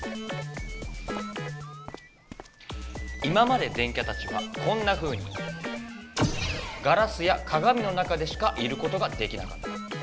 今まで電キャたちはこんなふうにガラスやかがみの中でしかいることができなかった。